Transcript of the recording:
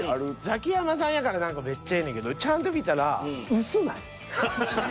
ザキヤマさんやからめっちゃええねんけどちゃんと見たらはははは。